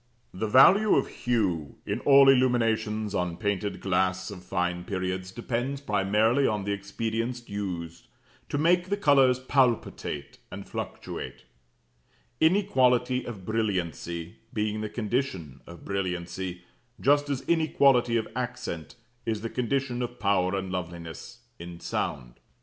The value of hue in all illuminations on painted glass of fine periods depends primarily on the expedients used to make the colours palpitate and fluctuate; inequality of brilliancy being the condition of brilliancy, just as inequality of accent is the condition of power and loveliness in sound.